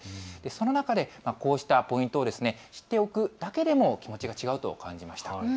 その中で、こうしたポイントを知っておくだけでも気持ちが違うと感じました。